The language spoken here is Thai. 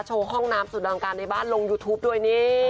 ห้องน้ำสุดอังการในบ้านลงยูทูปด้วยนี่